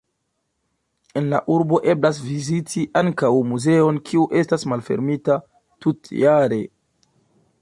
En la urbo eblas viziti ankaŭ muzeon, kiu estas malfermita tutjare.